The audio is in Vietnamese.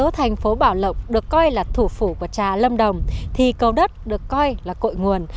trà bảo lộng được coi là thủ phủ của trà lâm đồng thì cầu đất được coi là cội nguồn